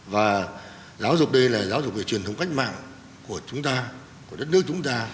và giáo dục đây là giáo dục về truyền thống cách mạng của chúng ta của đất nước chúng ta